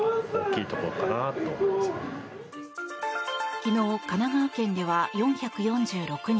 昨日、神奈川県では４４６人